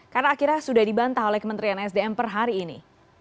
karena akhirnya sudah dibantah oleh kementerian sdm per hari ini